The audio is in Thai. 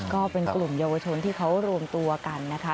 ก็เป็นกลุ่มเยาวชนที่เขารวมตัวกันนะคะ